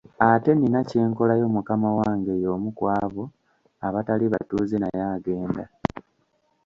Ate nina kyenkolayo mukama wange y'omu ku abo abatali batuuze naye agenda.